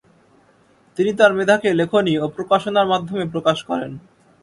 তিনি তার মেধাকে লেখনী ও প্রকাশনার মাধ্যমে প্রকাশ করেন।